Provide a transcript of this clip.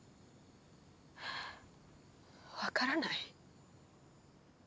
分からない？